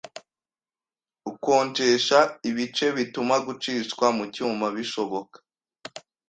ukonjesha ibice bituma gucishwa mu cyuma bishoboka.